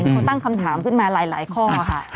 เขาตั้งคำถามขึ้นมาหลายข้อค่ะ